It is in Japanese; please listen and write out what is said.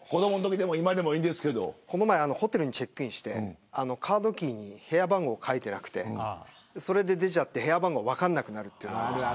ホテルにチェックインしてカードキーに部屋番号が書いていなくてそのまま出てしまって部屋番号が分からなくなるというのがありました。